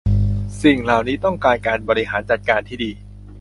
สิ่งเหล่านี้ต้องการการบริหารจัดการที่ดี